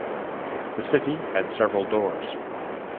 The city had several doors.